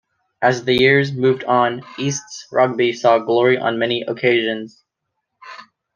As the years moved on, Easts Rugby saw glory on many occasions.